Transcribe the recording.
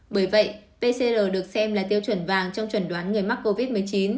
bởi vậy pcr được xem là tiêu chuẩn vàng trong chuẩn đoán người mắc covid một mươi chín